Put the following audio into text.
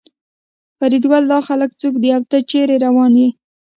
فریدګله دا خلک څوک دي او ته چېرې روان یې